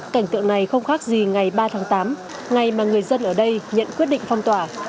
cảnh tượng này không khác gì ngày ba tháng tám ngày mà người dân ở đây nhận quyết định phong tỏa